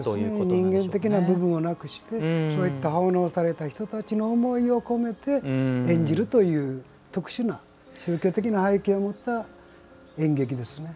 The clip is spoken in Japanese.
人間的な部分をなくしてそういった奉納された人たちの思いを込めて演じるという特殊な宗教的な背景を持った演劇ですね。